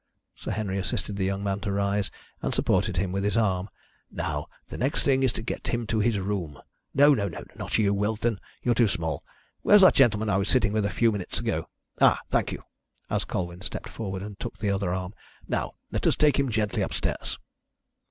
Sir Henry assisted the young man to rise, and supported him with his arm. "Now, the next thing is to get him to his room. No, no, not you, Willsden you're too small. Where's that gentleman I was sitting with a few minutes ago? Ah, thank you" as Colwyn stepped forward and took the other arm "now, let us take him gently upstairs."